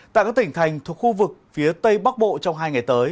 tại các tỉnh thành thuộc khu vực phía tây bắc bộ trong hai ngày tới